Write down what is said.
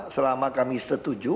selama kami setuju